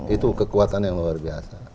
itu kekuatan yang luar biasa